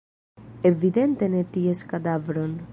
Evidente ne ties kadavron.